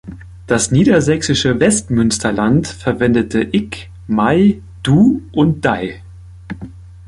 Das niedersächsische Westmünsterland verwendete "ik", "mei", "du" und "dei".